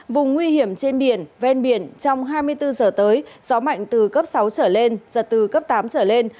vùng nguy hiểm trên biển ven biển trong hai mươi bốn giờ tới gió mạnh từ cấp sáu trở lên giật từ cấp tám trở lên